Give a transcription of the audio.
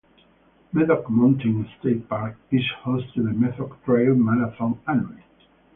Medoc Mountain State Park is host to the Medoc Trail Marathon annually.